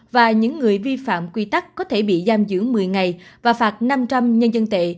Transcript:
và những người vi phạm quy tắc có thể bị giam giữ một mươi ngày và phạt năm trăm linh nhân dân tệ